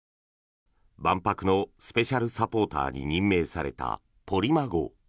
万博のスペシャルサポーターに任命された「ポリマ号」。